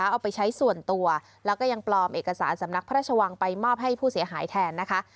เอาไปใช้ส่วนตัวแล้วก็ยังปลอมเอกสารสำนักพระราชวังไปมอบให้ผู้เสียหายแทนนะคะ